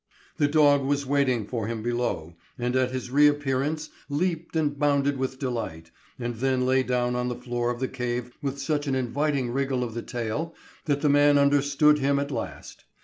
The dog was waiting for him below and at his reappearance leaped and bounded with delight, and then lay down on the floor of the cave with such an inviting wriggle of the tail that the man understood him at last.